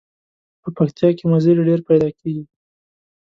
په پکتیا کې مزري ډیر پیداکیږي.